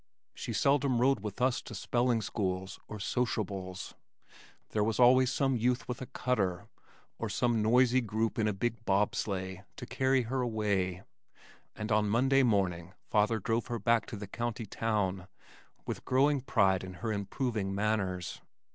She seldom rode with us to spelling schools or "soshybles." There was always some youth with a cutter, or some noisy group in a big bob sleigh to carry her away, and on Monday morning father drove her back to the county town with growing pride in her improving manners.